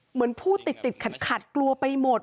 เหมือนพูดติดขัดกลัวไปหมด